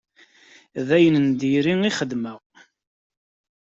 D ayen n dir ixedmeɣ.